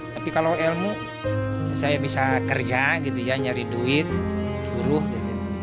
tapi kalau ilmu saya bisa kerja gitu ya nyari duit buruh gitu